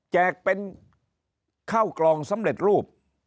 แกกเป็นข้าวกล่องสำเร็จรูป